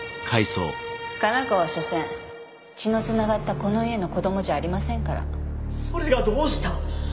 加奈子は所詮血のつながったこの家の子どもじゃありませんからそれがどうした？